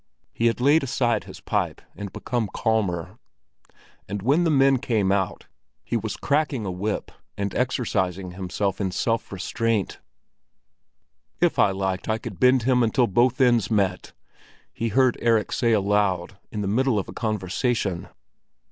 He had laid aside his pipe and become calmer; and when the men came out, he was cracking a whip and exercising himself in self restraint. "If I liked I could bend him until both ends met!" he heard Erik say aloud in the middle of a conversation.